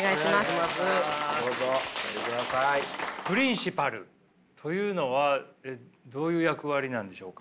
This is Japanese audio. プリンシパルというのはどういう役割なんでしょうか。